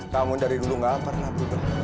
kamu dari dulu nggak pernah berubah